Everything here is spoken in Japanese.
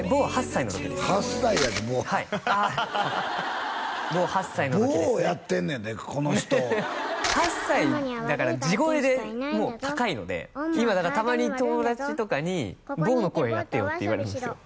８歳やて坊はいああ坊８歳の時です坊をやってんのやでこの人８歳だから地声でもう高いので今だからたまに友達とかに「坊の声やってよ」って言われるんすよ